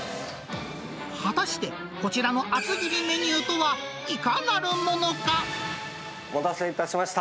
果たして、こちらの厚切りメお待たせいたしました。